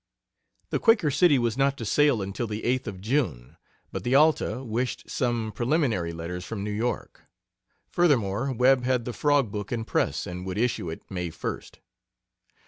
The Quaker City was not to sail until the 8th of June, but the Alta wished some preliminary letters from New York. Furthermore, Webb had the Frog book in press, and would issue it May 1st.